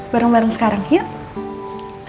bareng bareng sekarang yuk